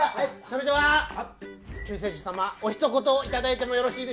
それでは救世主様おひと言いただいてもよろしいでしょうか？